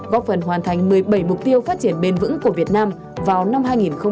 góp phần hoàn thành một mươi bảy mục tiêu phát triển bền vững của việt nam vào năm hai nghìn ba mươi